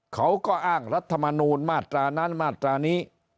เขาก็อ้างรัฐมนูลมาตรานั้นมาตรานี้